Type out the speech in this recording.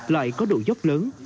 lại có độ dốc lớn